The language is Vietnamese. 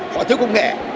họ thiếu công nghệ